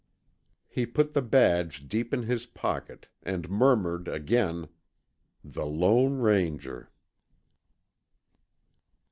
He put the badge deep in his pocket and murmured again, "The Lone Ranger."